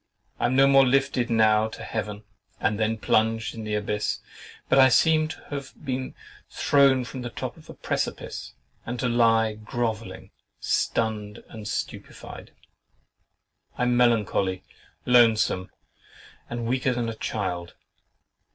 I am no more lifted now to Heaven, and then plunged in the abyss; but I seem to have been thrown from the top of a precipice, and to lie groveling, stunned, and stupefied. I am melancholy, lonesome, and weaker than a child.